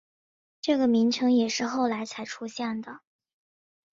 这个名称也是后来才出现的。